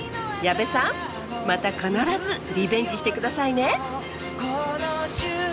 矢部さんまた必ずリベンジして下さいね！